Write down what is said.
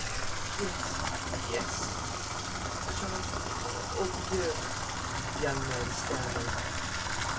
"Yes, yes, Jacques Aubrieux," the young man stammered.